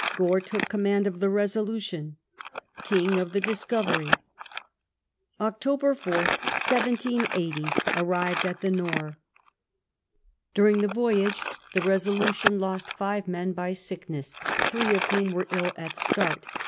Gore took command of the Besolutim. King of the Discovei'y. Oct. 4th, 1780. Arrived at the Nore. During the voyage the Resolution lost five men by sick ness three of whom were ill at start.